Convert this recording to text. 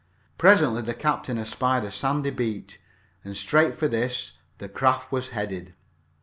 Presently the captain espied a sandy beach, and straight for this the craft was headed.